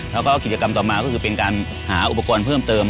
แล้วก็กิจกรรมต่อมาก็คือเป็นการหาอุปกรณ์เพิ่มเติม